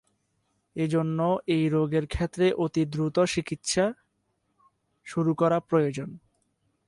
এজন্য এই রোগের ক্ষেত্রে অতি দ্রুত চিকিৎসা শুরু করা প্রয়োজন।